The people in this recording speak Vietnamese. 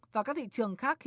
và các thị trường khác